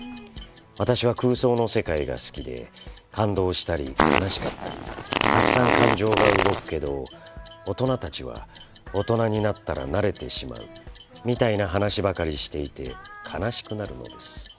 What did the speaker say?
私は空想の世界が好きで感動したり悲しかったりたくさん感情が動くけど大人たちは「大人になったら慣れてしまう」みたいな話ばかりしていて悲しくなるのです。